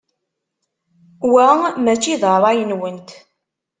Wa maci d ṛṛay-nwent.